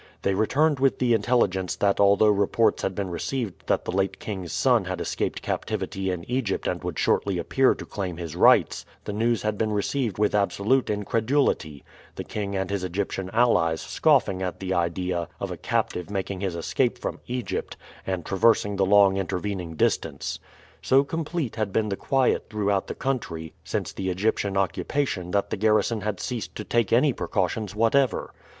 They returned with the intelligence that although reports had been received that the late king's son had escaped captivity in Egypt and would shortly appear to claim his rights, the news had been received with absolute incredulity, the king and his Egyptian allies scoffing at the idea of a captive making his escape from Egypt and traversing the long intervening distance. So complete had been the quiet throughout the country since the Egyptian occupation that the garrison had ceased to take any precautions whatever.